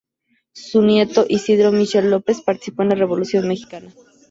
Su nieto Isidro Michel López participó en la Revolución mexicana.